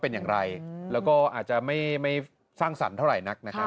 โปรดติดตามตอนต่อไป